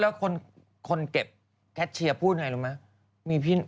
แล้วคนเก็บแคชเชียพูดไงรู้มั้ย